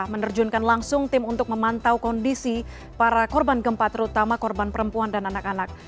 menerjunkan langsung tim untuk memantau kondisi para korban gempa terutama korban perempuan dan anak anak